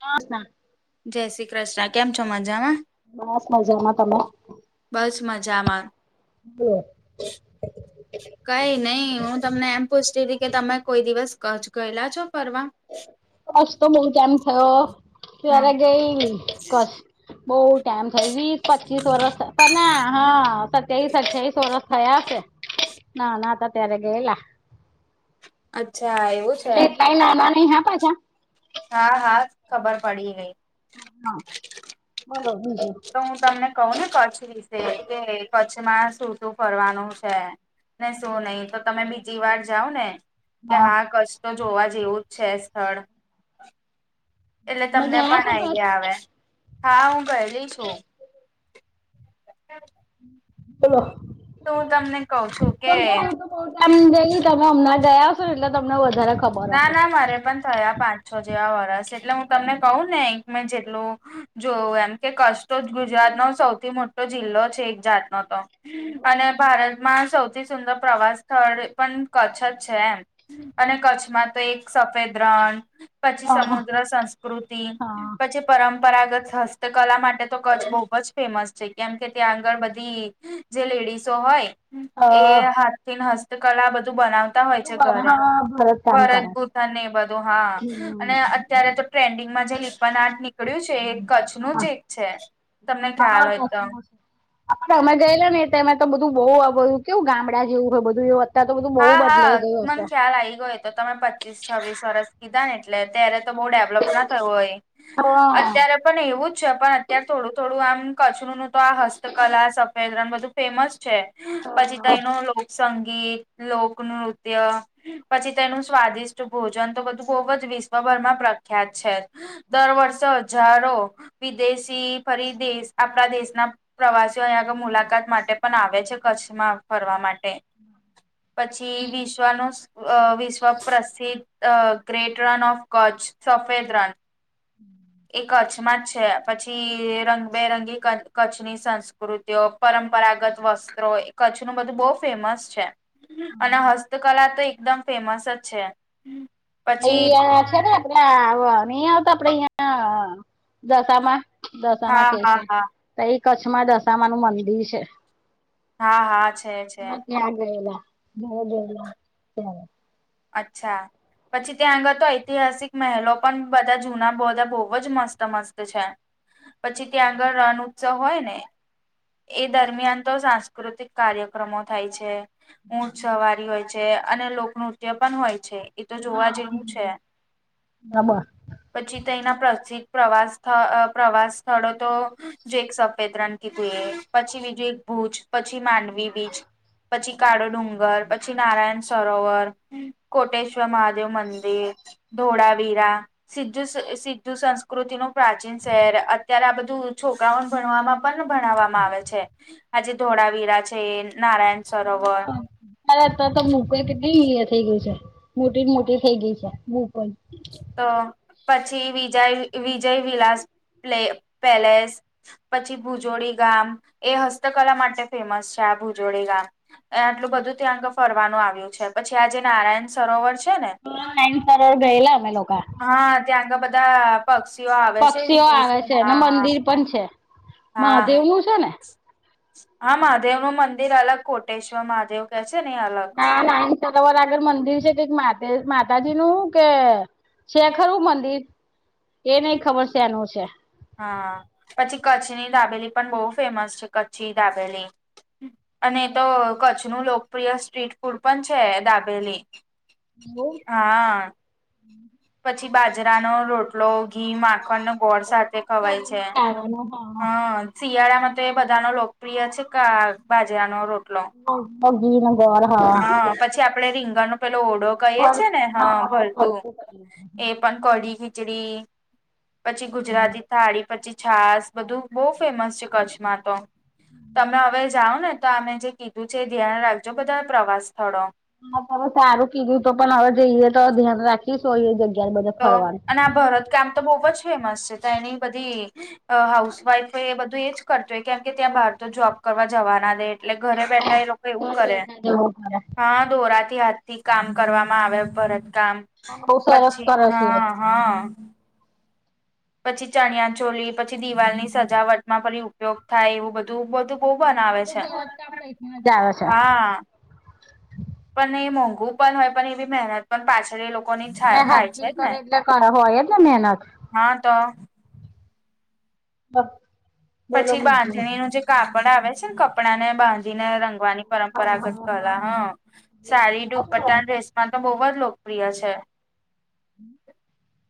[unintelligible] ના જય શ્રી કૃષ્ણ કેમ છો મજામાં બસ મજામાં તમે બસ મજામાં [inaudible] કઈ નહી હું તમને એમ પૂછતી હતી કે તમે કોઈ દિવસ ગયેલા છો ફરવા કચ તો [unintelligible] કેમ થયો હા ક્યારે ગઈ કચ બોવ કામ થઇ વીસ પચીસ વરષ પણ ના હા સત્યાવીસ અઠ્યાવીસ વરષ થયા છે [inaudible] ના ના હતા ત્યારે ગેયલા અચ્છા એવું છે તય હા પાછા હા હા ખબર પડી ગઈ હા બોલો હું કેય કહો ને કચ્છ વિશે કે કચ્છમાં શું શું ફરવાનું છે ને શું નહી તો તમે બીજી વાર જાઓ ને કે હા કશ તો જોવા જેવું જ છે સ્થળ એટલે તમે તમને ગયા પણ છો કચ્છ આઈડિયા આવે હા હું ગયલી છું બોલો તો હું તમને કઉ છું કે [unintelligible] ગેલી તમે હમણાં ગયા છો એટલે તમને વધારે ખબર ના હશે ના મારે પણ થયા પાંચ છો જેવા વરસ એટલે હું તમને કહું ને એક મે જેટલું જોવું એમ કે કચ તો ગુજરાતનો સૌથી મોટો જિલ્લો છે એક જાતનો તો અને ભારત માં સૌથી સુંદર પ્રવાસ સ્થળ પણ કચ્છ જ છે એમ અને કચ્છ મા તો એક સફેદ રણ પછી હા સમુદ્ર સંસ્કૃતિ હા પછી પરંપરાગત હસ્તકલા માટે તો કચ્છ બહુ જ ફેમસ છે કેમ કે ત્યાં આગળ બધી જે લેડીસો અ હોય એ હાથ હસ્તકલા બધું બનાવ બધું હા [unintelligible] ભરત છે ભૂથન ને એ બધું હા અને અ હા ત્યારે તો ટ્રેન્ડિંગમાં જે લિપન આર્ટ નીકળ્યું છે એ કચ્છ નું જ એક છે તમને ખ્યાલ હોય તો કચ્છનો છે. અમે ગયેલા ને તેમાં તો બધું બહુ બધું કેવું ગામડા જેવું હોય બધું એવું અત્યારે તો બધું હા બહુ બદલાઈ હા, ગયું મને હશે. ખ્યાલ આવી ગયો. તો તમે પચીસ-છવ્વીસ વર્ષ કીધા ને, એટલે ત્યારે તો બોડે [unintelligible] ના થયુ હોય હા અત્યારે પણ એવું જ છે, પણ અત્યારે થોડું થોડું આમ કચ્છનું તો આ હસ્તકલા, સફેદ રણ બધું ફેમસ છે. પછી ત્યાંનુ એનું લોકસંગીત લોકનૃત્ય. પછી તેનું સ્વાદિષ્ટ ભોજન તો બધું બહુ જ વિશ્વભરમાં પ્રખ્યાત છે. દર વર્ષે હજારો વિદેશી, ફરી દેશ આપણા દેશના પ્રવાસીઓ અહીંયા આગળ મુલાકાત માટે પણ આવે છે, કચ્છમાં ફરવા માટે. પછી વિશ્વ ને વિશ્વ પ્રસિદ્ધ ગ્રેટ રણ ઓફ કરછ, સફેદ રણ. એ કચ્છમાં જ છે. પછી રંગબેરંગી કચ્છની સંસ્કૃતિઓ પરંપરાગત વસ્ત્રો એ કચ્છનું બધું બહુ ફેમસ છે. અને હસ્તકલા તો એકદમ ફેમસ જ છે. પછી અહીંયા છે ને, આપડે આ નહીં આવતા, આપડે અહિયાં. હા દશામા દશામા હા કે છે, હા તો એ કચ્છમાં દશામા નું મંદિર છે. હ, હા હા છે છે અમે ત્યાં ગયેલા. બહુ ગરમી હતી ત્યારે, અચ્છા. પછી, ત્યાં આગળ તો ઐતિહાસિક મહેલો પણ બધા જૂના, બધા બહુ જ મસ્ત-મસ્ત છે. પછી, ત્યાં આગળ રણ ઉત્સવ હોય ને! એ દરમિયાન તો સાંસ્કૃતિક કાર્યક્રમો થાય છે. ઊંટ સવારી હોય છે, અને લોકનૃત્ય પણ હોય છે. એ તો જોવા જેવું છે. ત્યારે પછી તેના પ્રસિદ્ધ પ્રવાસ, પ્રવાસ સ્થળો તો. જે એક સફેદ રણ કીધું, એ પછી બીજું એક ભુજ, પછી માંડવી. બીચ, પછી કાળો ડુંગર, પછી નારાયણ સરોવર. હ, કોટેશ્વર મહાદેવ મંદિર, ઢોળાવીરા. સીધું સિંધુ સંસ્કૃતિ નું પ્રાચીન શહેર. અત્યારે આ બધું છોકરાઓને ભણવામાં. ભણાવવામાં આવે છે. આજે ધોળાવીરા છે, નારાયણ સરોવર હા, લે તો તો મુ [unintelligible] કેટલી થઇ ગય છે, મોટી મોટી થઇ ગઈ છે, બહુ પણ. તો પછી વિજય, વિજય વિલાસ પેલેસ. પછી ભુજોડી ગામ, એ હસ્તકલા માટે ફેમસ છે. આ ભુજોડી ગામ. એ આટલું બધું ત્યાં તો ફરવાનું આવ્યું છે. પછી આ જે નારાયણ સરોવર છે ને [unintelligible] એ લાઈન પર ગયેલા અમે લોકો. હા, ત્યાં તો બધા પક્ષીઓ આવે છે. પક્ષીઓ આવે વિદેશી છે અને હા, હા. મંદિર પણ છે હા મહાદેવ નું હા છે ને? હા, મહાદેવ નું મંદિર અલગ કોટેશ્વર મહાદેવ કે છે ને એ અલગ છે. તમારે આગળ મંદિર છે, તે માતાજી નું કે છે ખરુ, મંદિર એ નહીં, ખબર શેનું છે? હા, પછી કચ્છની દાબેલી પણ બહુ ફેમસ છે, કચ્છી દાબેલી. અને તો કચ્છનું લોકપ્રિય સ્ટ્રીટ ફૂડ પણ છે, દાબેલી. હમ. હા. અ.... પછી બાજરાનો રોટલો. રોટલો ઘી, માખણ ને ગોળ સાથે ખવાય છે, ખાવાનું હા. શિયાળામાં તો એ બધાનો લોકપ્રિય છે, આ બાજરાનો રોટલો. [unintelligible] હા, પછી આપડે રીંગણાંનો પેલો ઓળો કહીએ હા છે ને? હા, ભળતુ એ. પણ કઢી-ખીચડી, પછી ગુજરાતી. થાળી, પછી છાસ, બધું બહુ ફેમસ છે. કચ્છમાં તો તને હવે. જાવ ને તો અમે જે કીધું છે એ ધ્યાન રાખજો બધા પ્રવાસ સ્થળો. હા તમે સારું કીધું તમે પણ હવે જઈએ તો ધ્યાન રાખીશું. એ જગ્યાએ બધે તો ફરવાનું. અને આ ભરતકામ. તો ખૂબ જ ફેમસ છે તા એની બધી હાઉસવાઈફ એ બધું એજ કરતો હોય કેમ કે ત્યાં બહાર તો જોબ કરવા જવાના દે એટલે ઘરે બેઠા એ લોકો એવું ઘર કરે બેઠા જવું પડે હા દોરાથી હાથ થી કામ કરવામાં આવે ભરત કામ બઉ સરસ પછી કરે છે હ હ પછી ચણિયા ચોલી પછી દિવાલની સજાવટમાં ફીરી ઉપયોગ થાય એવું બધું બધું કો બના આવે બધું છે. ભરત કામ તઈથી જ આવે છે હા પણ એ મોંઘું પણ હોય પણ એ બી મહેનત પણ પાછળ એ લોકો અને હાથિંગ કરે એટલે મહેનત હા તો [unintelligible] પછી બીજું બાંધણીનું જે કાપડ આવે છે ને કપડાં ને બાંધણી ને રંગવાની પરંપરાગત કલા હ સાડી દુપટા ડ્રેસ મા તો બહું જ લોકપ્રિય છે.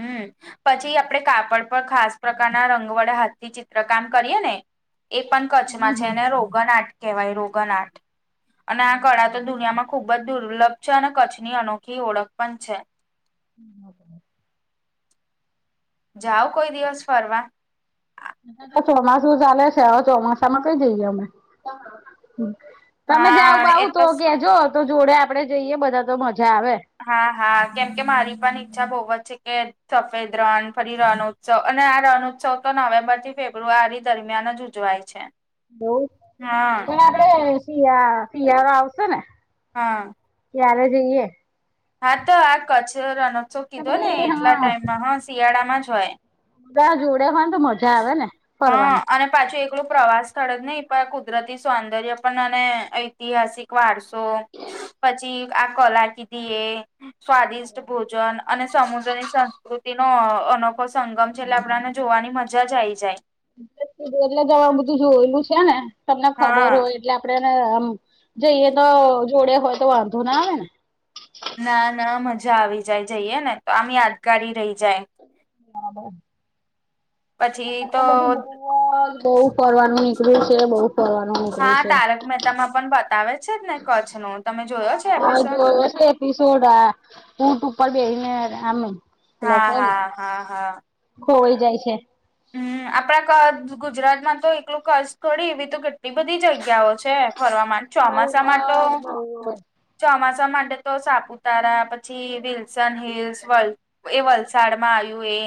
હમ. પછી આપડે કાપડ ખાસ પ્રકારના રંગ વડે હાથથી ચિત્રકામ કરીએ ને એ પણ કચ્છમાં છે હમ એને રોગન આટ કહેવાય રોગન આટ. અને આ કળા તો દુનિયામાં ખુબ જ દુર્લભ છે. અને કચ્છની અનોખી ઓળખ પણ છે. [inaudible] જાવ કોઈ દિવસ ફરવા. તો ચોમાસું ચાલે છે. અવે ચોમાસામાં કઈ જઈએ અમે. તમે જાવ હા એ બાઉ તો કેજો તો જોડે આપડે જઈએ બધા તો મજા આવે. હા હા કેમ કે મારી પણ ઈચ્છા બહુ જ છે કે સફેદ રણ ફરી રણોત્સવ અને આ રણ ઉત્સવતો નવેમ્બર થી ફેબ્રુઆરી દરમિયાન જ જોવાય છે. એવું હા પણ આપડે શિયા શિયાળો આવશે ને? હા ત્યારે જઈએ. હા તો આ કચ્છ રણોત્સવ તો કીધો ને બધી એટલા હા ટાઈમમાં હ શિયાળામાં જ હોય. બધા જોડે હો ને તો મજા આવે ને હા ફરવાની. અને પાછી એક પેલું પ્રવાસ સ્થળ જ નઈ પણ કુદરતી સૌંદર્ય પણ અને ઐતિહાસિક વારસો પછી આ કલા કીધી એ સ્વાદિષ્ટ ભોજન અને સમુદ્રની સંસ્કૃતિનો અનોખો સંગમ છે એટલે આપણાને જોવાની મજા જ આવી જાય. બધું એટલે અવે બધું જોયેલું છે ને. તમને ખબર હા હોય એટલે આપડે એને જઈએ તો જોડે હોય તો વાંધો ના આવે ને? ના ના મજા આવી જાય જઈએ ને તો આમ યાદગારી રહી જાય. [unintelligible] અ તો બધું બોઉ જ બઉ ફરવાનું નીકળ્યું છે. બઉ હા તારક મહેતામાં પણ બતાવે છે જ ને કચ્છ નું તમે જોયો છો એપિસોડ? પિસોડા ઉટ ઉપર બેહિને એમ હા લોકો હા હા હા ખોવાઈ જાય છે. હમ આપણા ક ગુજરાતમાં તો એકલું કચ્છ થોડી એવી તો કેટલી બધી જગ્યાઓ છે. ફરવા માટે ચોમાસામાં તો ચોમાસા માટે તો સાપુતારા પછી વિલ્સન હિલ્સ વલ એ વલસાડ માં આવ્યું એ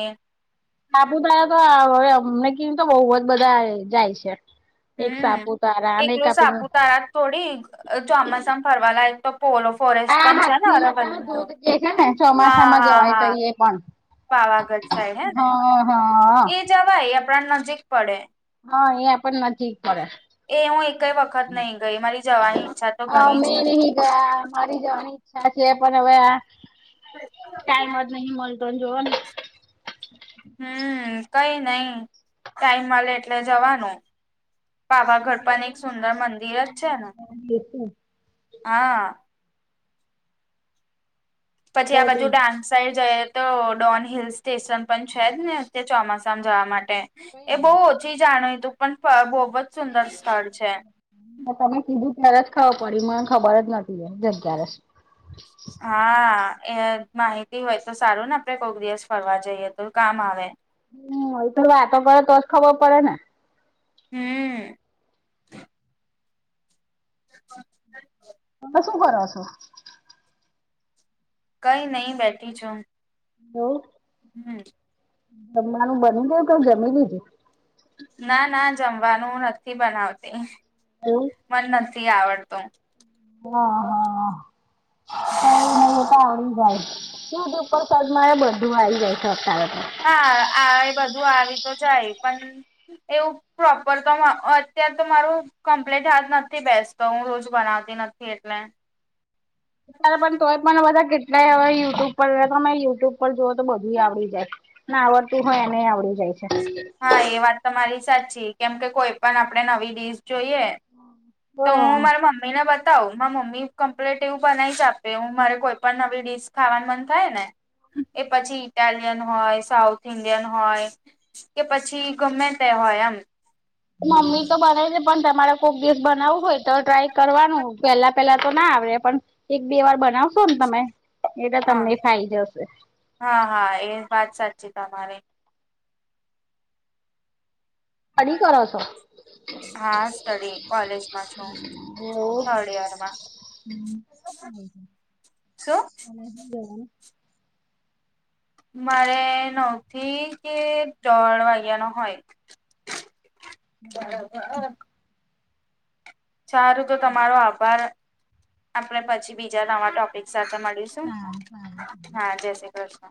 સાપુતારા તો આ મે કીધું તો બોઉ બધા જાય છે. એક સાપુતારા અને એક આ પેલું થોડીક, ચોમાસામાં ફરવા લાયક તો પોલો ફોરે આ હાથની માતા ના દૂધ જે હે ને, હા ચોમાસામાં હા જવાય હા તાઈએ પણ. પાવાગઢ સાઈડ હે ને હ હ. એ જવાય આપડાને નજીક પડે. હા એ આપણ નજીક પડે. એ હું એકય વખત નહી ગઈ. મારી જવાની ઈચ્છા તો ઘણી અમે છે. નહી ગયા મારી જવાની ઈચ્છા છે. પણ હવે આ ટાઈમ જ નહી મળતો ને જવાનો. હમ કઈ નઈ. ટાઈમ મળે એટલે જવાનું. પાવાગઢ પણ એક સુંદર મંદિર જ છે ને! હા. પછી આ બાજુ ડાંગ સાઈડ જઈએ તો, ડોન હિલ સ્ટેશન પણ છે જ ને. તે ચોમાસામાં જવા માટે. એ બહુ ઓછી જાણીતું, પણ બહુ જ સુંદર સ્થળ છે. તમે કીધું ત્યારે જ ખબર પડી. મને ખબર જ નથી, એ ક્યારે. હા. એ માહિતી હોય તો સારું ને, આપડે કોક દિવસ ફરવા જઈએ તો કામ આવે. હમ. એકલું વાતો કરો તો જ ખબર પડે ને. હમ તમે શું કર છો? કઈ નહી બેઠી છું. બોલ [unintelligible] જમવાનું બની ગયું, કે જમી લીધું. ના ના જમવાનું નથી બનાવતી. એવું! મન નથી આવડતુ. હા હા. કે નહીં એ તો આવડી જાય. [unintelligible] હા આવે, બધું આવી તો જાય પણ. એવું પ્રોપર તો અત્યાર તો મારું, કોમ્પ્લેટ હાથ નથી બેસતો. હું રોજ બનાવતી નથી એટલે. હવે પણ તોય પણ, બધા કેટલાય હવે યુટ્યુબ પર તમે યુટ્યુબ પર જુઓ, તો બધું આવડી જાય. ના આવડતું હોય એનેય આવડી જાય છે. હા. એ વાત તમારી સાચી. કેમ કે, કોઈ પણ આપડે નવી ડીશ જોઈએ! તો હું છે મારા મમ્મીને બ કહુ. મારા મમ્મી કમ્પ્લેટ એવું બનાઈ જ આપે. હું મારે કોઈ પણ નવી ડીશ ખાવાનું મન થાય ને! એ પછી ઇટાલિયન હોય, સાઉથ ઇન્ડિયન હોય, કે પછી ગમે તે હોય એમ. મમ્મી તો બનાવી લેય. પણ તમારે કોક દિવસ બનાવવું હોય તો, ટ્રાય કરવાનું. પેલા પેલા તો ના આવડે. પણ એક-બે વાર બનાવશો ને તમે એ તો હા તમને ફાઈ જશે. હા હા. એ વાત સાચી તમારી. સ્ટડી કરો છો? હા સ્ટડી, કોલેજમાં છું. હો. થર્ડ યરમાં હમ. શું અમે હું બોલવાના. મારે નવથી કે દોડ વાગ્યાના હોય. ચાલો સરસ! સારું તો તમારો આભાર. આપણે પછી બીજા નવા ટોપિક સાથે મળીશું. ચલ. હા જય શ્રી કૃષ્ણ!